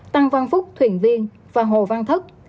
tăng văn phúc thuyền viên và hồ văn thất